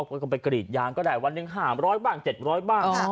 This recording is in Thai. เอากลับไปกรีดย้างก็ได้วันหนึ่งห่ามร้อยบ้างเจ็ดบ้าง